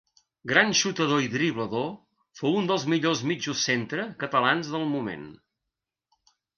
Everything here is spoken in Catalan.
Gran xutador i driblador, fou un dels millors mitjos centre catalans del moment.